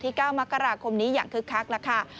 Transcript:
๙มกราคมนี้อย่างคึกคักแล้วค่ะ